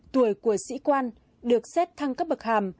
tuổi của sĩ quan được xét thăng cấp bậc hàm